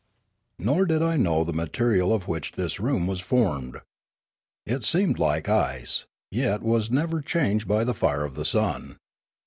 Nor did I know the material of which this room was formed. It seemed like ice, yet was never changed by the fire of the sun.